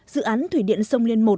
dự án thủy điện sông liên một